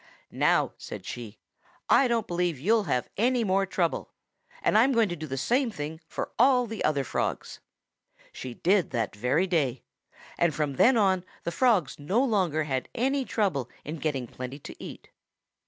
"'Now,' said she, 'I don't believe you'll have any more trouble, and I'm going to do the same thing for all the other Frogs.' "She did that very day, and from then on the Frogs no longer had any trouble in getting plenty to eat.